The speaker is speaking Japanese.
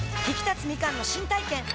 ひきたつみかんの新体験